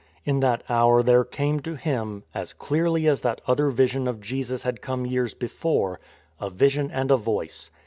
In that hour there came to him (as clearly as that other vision of Jesus had come years before) a vision and a Voice.